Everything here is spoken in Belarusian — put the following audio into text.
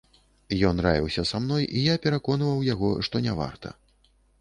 Ён раіўся са мной, і я пераконваў яго, што не варта.